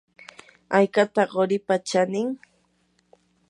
¿haykataq quripa chanin?